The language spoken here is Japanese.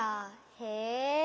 へえ。